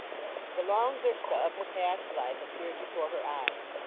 The long vista of her past life appeared before her eyes.